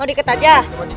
oh diikat aja